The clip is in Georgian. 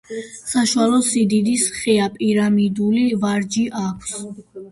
საშუალო სიდიდის ხეა, პირამიდული ვარჯი აქვს.